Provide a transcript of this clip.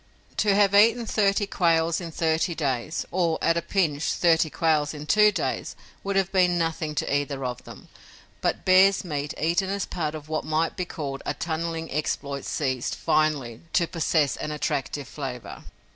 To have eaten thirty quails in thirty days or, at a pinch, thirty quails in two days would have been nothing to either of them, but bear's meat eaten as part of what might be called a tunneling exploit ceased, finally, to possess an attractive flavor.